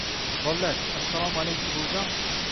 Bollar: Assalomu aleykum buvijon.